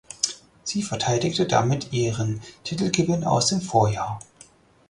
Sie verteidigte damit ihren Titelgewinn aus dem Vorjahr.